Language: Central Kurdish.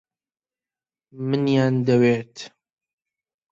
منیان دەوێت.